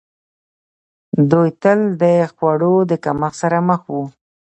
دوی تل د خوړو د کمښت سره مخ وو.